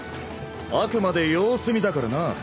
あくまで様子見だからな。